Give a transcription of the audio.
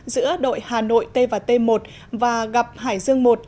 giữa đội hà nội t và t một và gặp hải dương một